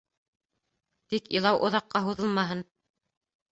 Тик илау оҙаҡҡа һуҙылмаһын.